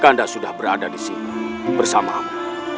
kanda sudah berada disini bersamamu